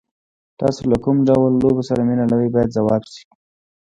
تاسو له کوم ډول لوبو سره مینه لرئ باید ځواب شي.